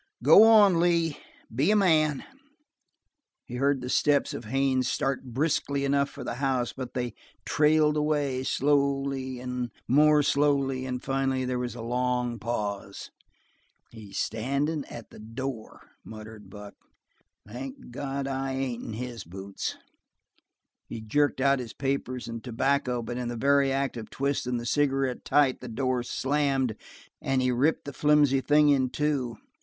"Go on, Lee. Be a man." He heard the steps of Haines start briskly enough for the house, but they trailed away, slowly and more slowly, and finally there was a long pause. "He's standing at the door," muttered Buck. "Thank God I ain't in his boots." He jerked out his papers and tobacco, but in the very act of twisting the cigarette tight the door slammed and he ripped the flimsy thing in two.